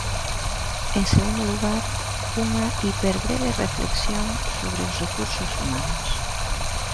En segundo lugar, unha hiperbreve reflexión sobre os recursos humanos.